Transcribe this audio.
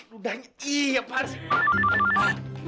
ih ludahnya ih apaan sih